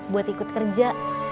buat ikut kerja